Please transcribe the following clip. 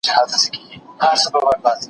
زه له سهاره کتابتوننۍ سره وخت تېرووم